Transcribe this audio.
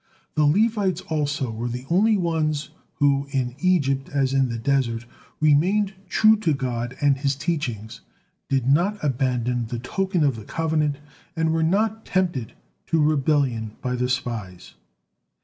The Levites also were the only ones who, in Egypt as in the desert, remained true to God and His teachings, did not abandon the token of the covenant, and were not tempted to rebellion by the spies.